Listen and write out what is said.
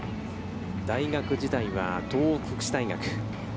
大学時代は東北福祉大学。